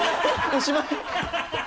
おしまい？